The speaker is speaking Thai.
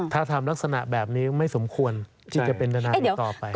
ถ้าทำลักษณะแบบนี้ไม่สมควรที่จะเป็นทนายอีกต่อไป